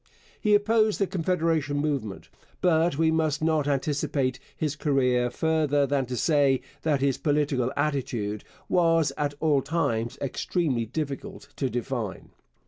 He opposed the Confederation movement. But we must not anticipate his career further than to say that his political attitude was at all times extremely difficult to define.